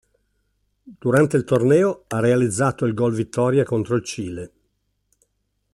Durante il torneo ha realizzato il gol vittoria contro il Cile.